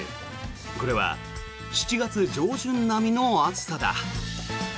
これは７月上旬並みの暑さだ。